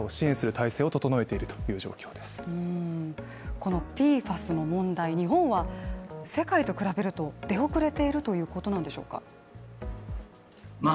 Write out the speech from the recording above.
このＰＦＡＳの問題、日本は世界と比べると出遅れているということなんでしょうか。